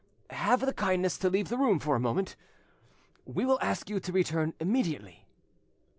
"Have the kindness to leave the room for a moment; we will ask you to return immediately."